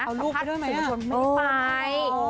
สัมภาษณ์สุขชนไม่ได้ไป